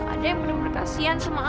ada yang bener bener kasihan sama aku